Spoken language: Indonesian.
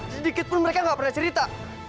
sedikit pun mereka nggak pernah cerita